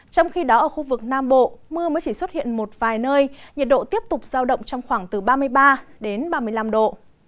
trong khi đó ở khu vực nam bộ mưa mới chỉ xuất hiện một vài nơi nhiệt độ tiếp tục giao động trong khoảng từ ba mươi ba đến ba mươi năm độ